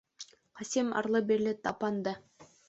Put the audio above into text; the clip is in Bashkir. - Ҡасим арлы-бирле тапанды.